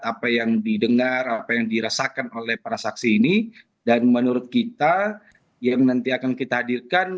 apa yang didengar apa yang dirasakan oleh para saksi ini dan menurut kita yang nanti akan kita hadirkan